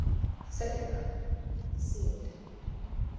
Second row: Seamed.